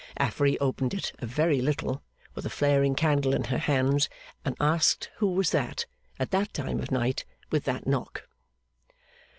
Affery opened it a very little, with a flaring candle in her hands and asked who was that, at that time of night, with that knock!